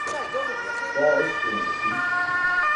taa eśpuran api